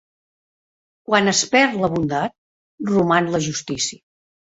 Quan es perd la bondat, roman la justícia.